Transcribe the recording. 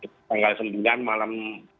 tanggal sembilan malam